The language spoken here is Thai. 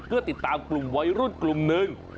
เพื่อติดตามกลุ่มวัยรุ่นกลุ่มหนึ่ง